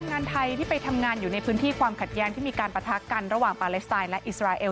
งานไทยที่ไปทำงานอยู่ในพื้นที่ความขัดแย้งที่มีการปะทะกันระหว่างปาเลสไตน์และอิสราเอล